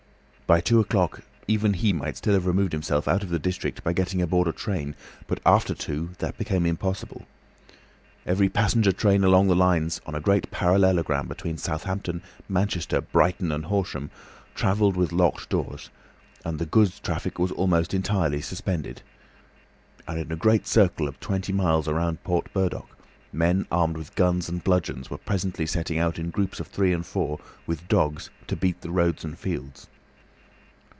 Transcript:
By two o'clock even he might still have removed himself out of the district by getting aboard a train, but after two that became impossible. Every passenger train along the lines on a great parallelogram between Southampton, Manchester, Brighton and Horsham, travelled with locked doors, and the goods traffic was almost entirely suspended. And in a great circle of twenty miles round Port Burdock, men armed with guns and bludgeons were presently setting out in groups of three and four, with dogs, to beat the roads and fields.